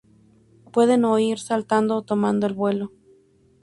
Pueden huir saltando o tomando el vuelo.